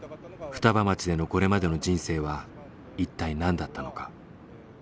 双葉町でのこれまでの人生は一体何だったのか。